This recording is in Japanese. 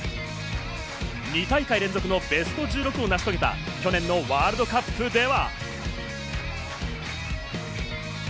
２大会連続のベスト１６を成し遂げた、去年のワールドカップでは。